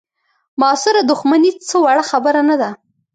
معاصره دوښمني څه وړه خبره نه ده.